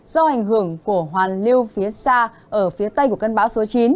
do ảnh hưởng của hoàn lưu phía xa ở phía tây của cân báo số chín